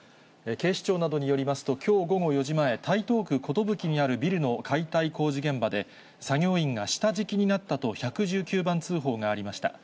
警視庁などによりますと、きょう午後４時前、台東区寿にあるビルの解体工事現場で、作業員が下敷きになったと１１９番通報がありました。